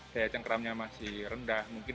daya cengkramnya masih rendah mungkin